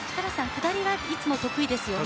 下りがいつも得意ですよね。